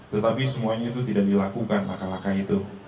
tetapi semuanya itu tidak dilakukan laka laka itu